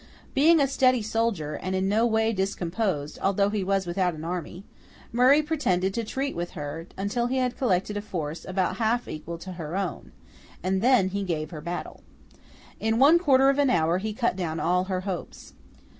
Being a steady soldier, and in no way discomposed although he was without an army, Murray pretended to treat with her, until he had collected a force about half equal to her own, and then he gave her battle. In one quarter of an hour he cut down all her hopes.